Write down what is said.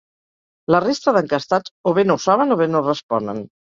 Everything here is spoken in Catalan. La resta d’enquestats, o bé no ho saben o bé no responen.